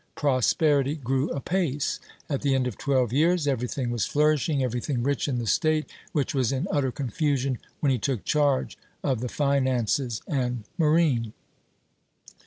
Prosperity grew apace. At the end of twelve years everything was flourishing, everything rich in the State, which was in utter confusion when he took charge of the finances and marine.